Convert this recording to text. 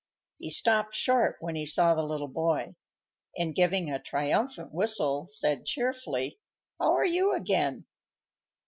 He stopped short when he saw the little boy, and, giving a triumphant whistle, said cheerfully, "How are you again?"